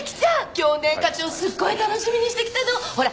今日ね課長すっごい楽しみにして来たのほら